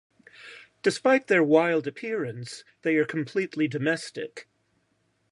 Despite their wild appearance, they are completely domestic.